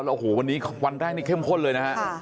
แล้ววันนี้ควรได้ด้วยเข้มข้นเลยนะ